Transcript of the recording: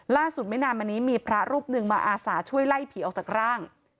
ไม่นานมานี้มีพระรูปหนึ่งมาอาสาช่วยไล่ผีออกจากร่าง